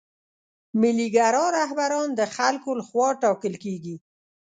ملي ګرا رهبران د خلکو له خوا ټاکل کیږي.